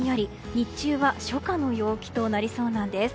日中は初夏の陽気となりそうなんです。